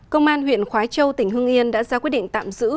công an huyện khói châu tỉnh hương yên đã ra quyết định tạm giữ